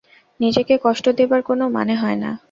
নিজেকে কষ্ট দেবার কোনো মানে হয় না।